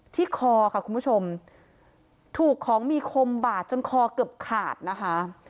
คอค่ะคุณผู้ชมถูกของมีคมบาดจนคอเกือบขาดนะคะ